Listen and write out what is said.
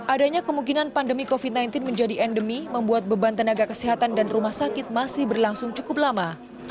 adanya kemungkinan pandemi covid sembilan belas menjadi endemi membuat beban tenaga kesehatan dan rumah sakit masih berlangsung cukup lama